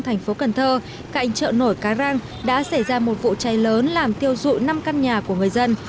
thành phố cần thơ cạnh chợ nổi cái răng đã xảy ra một vụ cháy lớn làm tiêu dụi năm căn nhà của người dân